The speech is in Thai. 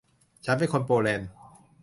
ฉันเป็นคนโปแลนด์